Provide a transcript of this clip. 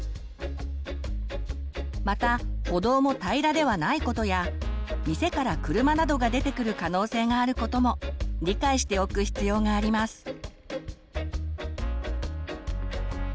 また歩道も平らではないことや店から車などが出てくる可能性があることも理解しておく必要があります。